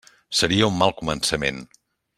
Seria un mal començament.